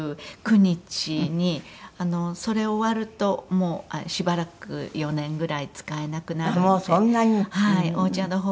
それ終わるともうしばらく４年ぐらい使えなくなるので。